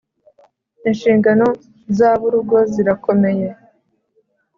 Inshingano z aburugo zirakomeye